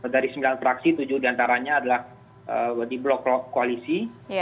dari sembilan fraksi tujuh diantaranya adalah di blok koalisi